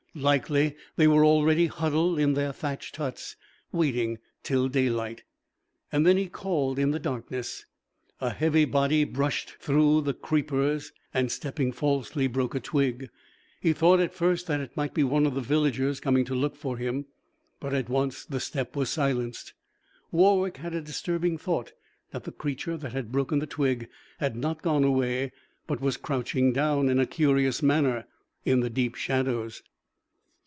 Likely they were already huddled in their thatched huts, waiting till daylight. Then he called in the darkness. A heavy body brushed through the creepers, and stepping falsely, broke a twig. He thought at first that it might be one of the villagers, coming to look for him. But at once the step was silenced. Warwick had a disturbing thought that the creature that had broken the twig had not gone away, but was crouching down, in a curious manner, in the deep shadows.